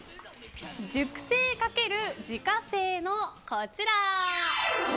熟成×自家製のこちら。